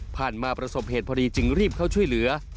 ประสบมาประสบเหตุพอดีจึงรีบเข้าช่วยเหลือ